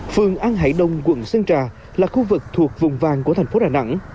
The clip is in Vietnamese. phường an hải đông quận sơn trà là khu vực thuộc vùng vàng của tp đà nẵng